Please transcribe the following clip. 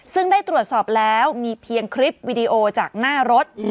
ซึ่งได้ตรวจสอบแล้วมีเพียงคลิปวิดีโอจากหน้ารถ